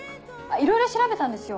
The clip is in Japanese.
いろいろ調べたんですよ